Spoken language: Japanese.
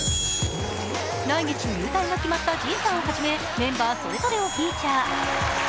来月、入隊が決まったＪＩＮさんをはじめメンバーそれぞれをフィーチャー。